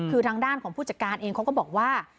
คือทางด้านของผู้จัดการเองเขาก็บอกว่า